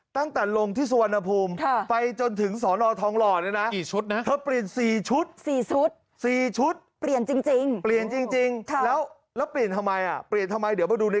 ตั้งแต่ลงที่สุวรรณภูมิไปจนถึงสอนอทองหล่อเนี่ยนะ